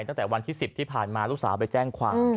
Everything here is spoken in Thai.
ตั้งแต่วันที่๑๐ที่ผ่านมาลูกสาวไปแจ้งความ